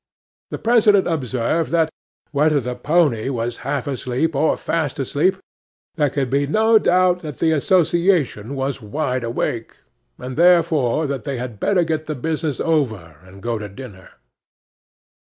'THE PRESIDENT observed that, whether the pony was half asleep or fast asleep, there could be no doubt that the association was wide awake, and therefore that they had better get the business over, and go to dinner.